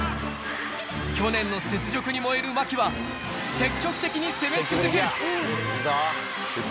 去年の雪辱に燃える茉輝は、積極的に攻め続ける。